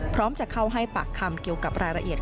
พร้อมจะเข้าให้ปากคำเกี่ยวกับรายละเอียด